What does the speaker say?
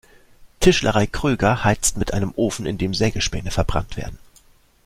Tischlerei Kröger heizt mit einem Ofen, in dem Sägespäne verbrannt werden.